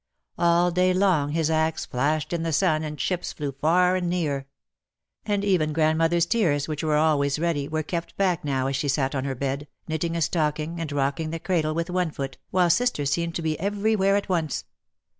All day long his axe flashed in the sun and chips flew far and near. And even grandmother's tears, which were always ready, were kept back now as she sat on her bed, knitting a stocking and rocking the cradle with one foot, while sister seemed to be everywhere at once.